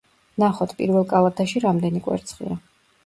ვნახოთ, პირველ კალათაში რამდენი კვერცხია.